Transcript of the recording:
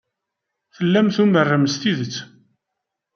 Tellam tumarem s tidet.